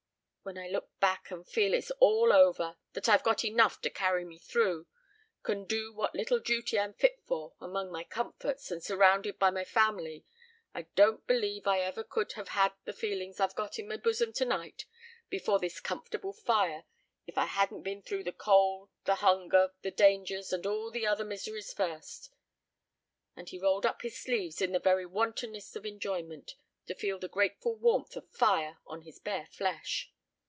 When I look back, and feel it's all over, that I've got enough to carry me through, can do what little duty I'm fit for, among my comforts, and surrounded by my family, I don't believe I ever could have had the feelings I've got in my bosom to night, before this comfortable fire, if I hadn't been through the cold, the hunger, the dangers, and all the other miseries first;" and he rolled up his sleeves in the very wantonness of enjoyment, to feel the grateful warmth of fire on his bare flesh.